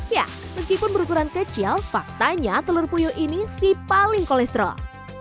ya meskipun berukuran kecil faktanya telur puyuh ini si paling kolesterol